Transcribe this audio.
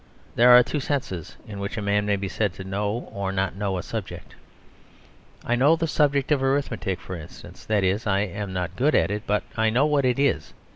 There are two senses in which a man may be said to know or not know a subject. I know the subject of arithmetic, for instance; that is, I am not good at it, but I know what it is.